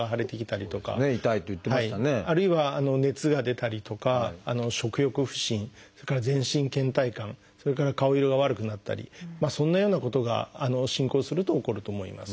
あるいは熱が出たりとか食欲不振それから全身けん怠感それから顔色が悪くなったりそんなようなことが進行すると起こると思います。